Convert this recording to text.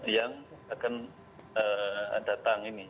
yang akan datang ini